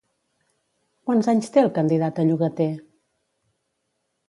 Quants anys té el candidat a llogater?